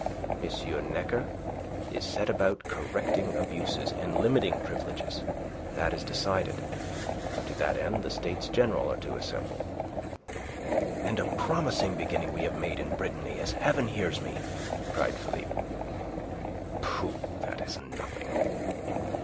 M. Necker is to set about correcting abuses, and limiting privileges. That is decided. To that end the States General are to assemble." "And a promising beginning we have made in Brittany, as Heaven hears me!" cried Philippe. "Pooh! That is nothing.